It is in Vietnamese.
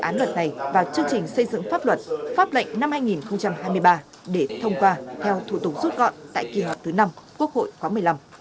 các đại biểu đều thống nhất cần thiết phải xây dựng dự án luật này vào chương trình xây dựng pháp luật pháp lệnh năm hai nghìn hai mươi ba để thông qua theo thủ tục rút gọn tại kỳ họp thứ năm quốc hội khoảng một mươi năm